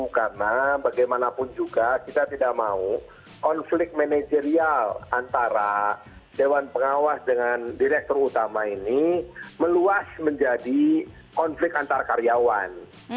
karena bagaimanapun juga kita tidak mau konflik manajerial antara dewan pengawas dengan direktur utama ini meluas menjadi konflik antar karyawan